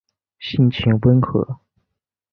性情温和。